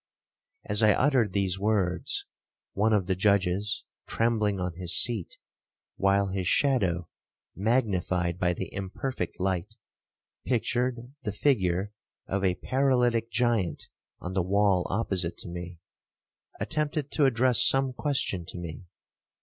As I uttered these words, one of the judges, trembling on his seat, (while his shadow, magnified by the imperfect light, pictured the figure of a paralytic giant on the wall opposite to me), attempted to address some question to me.